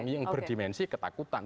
yang berdimensi ketakutan